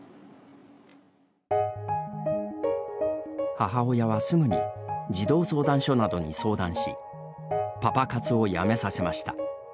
母親はすぐに児童相談所などに相談しパパ活をやめさせました。